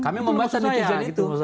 kami membaikkan netizen itu